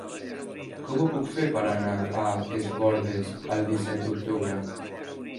Com ho puc fer per anar a Es Bòrdes el disset d'octubre?